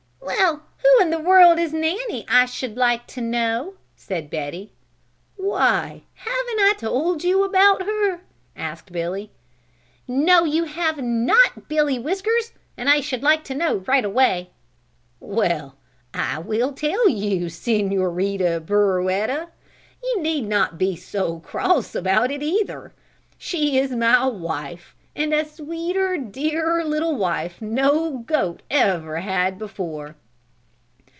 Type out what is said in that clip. "Well, who in the world is Nanny? I should like to know," said Betty. "Why haven't I told you about her?" asked Billy. "No, you have not, Billy Whiskers, and I should like to know right away." "Well, I will tell you, Senorita Burroetta, and you need not be so cross about it either. She is my wife and a sweeter, dearer little wife no goat ever had before!"